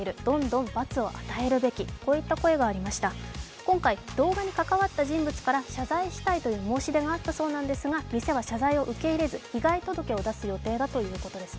今回、動画に関わった人物から謝罪したいという申し出があったそうですが、店は謝罪を受け入れず、被害届を出す予定だということです。